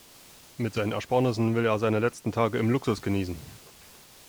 Mit seinen Ersparnissen will er seine letzten Tage im Luxus genießen.